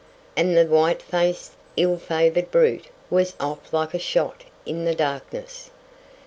And the white faced ill favoured brute was off like a shot in the darkness.